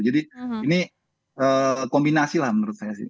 jadi ini kombinasi lah menurut saya sih